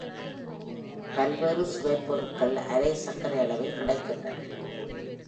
பல்வேறு சுவைப் பொருட்கள் அரை சர்க்கரை அளவில் கிடைக்கின்றன.